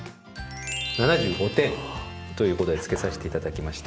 ７５点ということでつけさせていただきました。